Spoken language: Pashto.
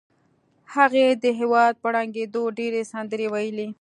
هغې د هېواد په ړنګېدو ډېرې سندرې وویلې